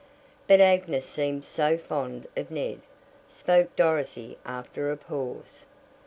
"But Agnes seemed so fond of Ned," spoke Dorothy after a pause.